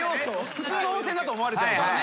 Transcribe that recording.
普通の温泉だと思われちゃうから。